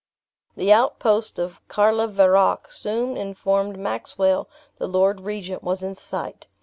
The outposts of Carlaveroch soon informed Maxwell the lord regent was in sight.